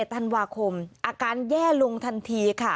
ธันวาคมอาการแย่ลงทันทีค่ะ